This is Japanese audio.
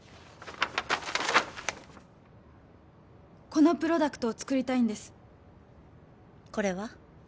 このプロダクトをつくりたいんですこれは？